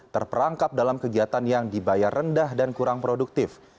terperangkap dalam kegiatan yang dibayar rendah dan kurang produktif